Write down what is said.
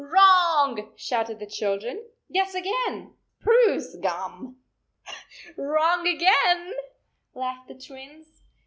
" Wrong," shouted the children. " Guess again." "Spruce gum." " Wrong again," laughed the Twins.